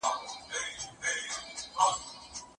خر خپل او پردي فصلونه نه پېژني.